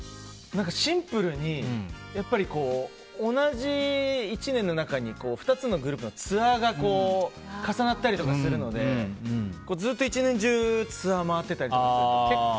シンプルに、同じ１年の中に２つのグループのツアーが重なったりするのでずっと１年中、ツアーを回ったりしてると結構。